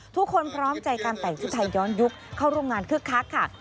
พร้อมใจการแต่งชุดไทยย้อนยุคเข้าร่วมงานคึกคักค่ะ